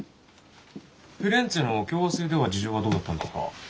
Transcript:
フィレンツェの共和制では事情はどうだったんですか？